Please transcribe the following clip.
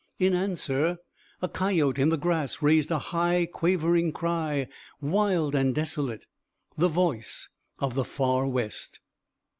In answer a coyote in the grass raised a high, quavering cry, wild and desolate, the voice of the Far West.